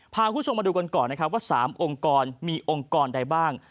พาคุณผู้ชมมาดูกันก่อนนะครับว่า๓องค์กรมีองค์กรใดบ้าง